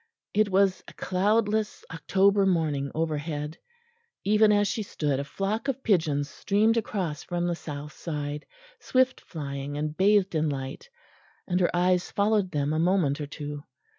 It was a cloudless October morning overhead. Even as she stood a flock of pigeons streamed across from the south side, swift flying and bathed in light; and her eyes followed them a moment or two.